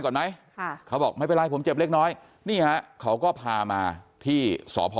ก่อนไหมบอกไม่เป็นไรผมเจ็บเล็กน้อยนี้แล้วก็พามาที่สพ